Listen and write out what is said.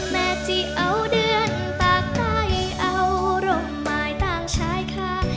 แม่จิเอาเดือนปากใต้เอาร่มหมายต่างชายคา